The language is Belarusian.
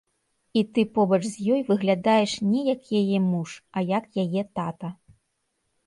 І ты побач з ёй выглядаеш не як яе муж, а як яе тата.